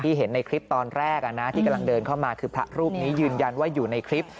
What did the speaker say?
เห็นในคลิปตอนแรกที่กำลังเดินเข้ามาคือพระรูปนี้ยืนยันว่าอยู่ในคลิป